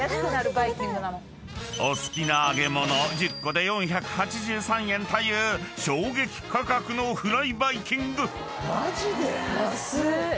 ［お好きな揚げ物１０個で４８３円という衝撃価格のフライバイキング］